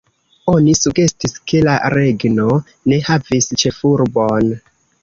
Oni sugestis ke la regno ne havis ĉefurbon.